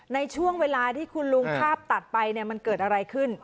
ในช่วงเวลาที่คุณลุงภาพตัดไปมันเกิดอะไรขึ้น